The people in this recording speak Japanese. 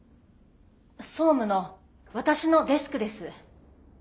総務の私のデスクです。